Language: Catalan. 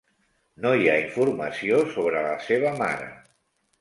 No hi ha informació sobre la seva mare.